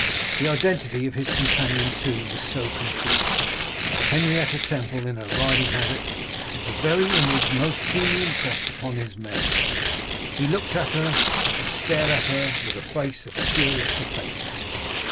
The identity of his companion too was so complete: Henrietta Temple in her riding habit was the very image most keenly impressed upon his memory. He looked at her and stared at her with a face of curious perplexity.